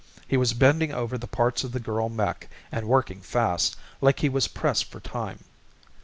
He was bending over the parts of the girl mech and working fast, like he was pressed for time.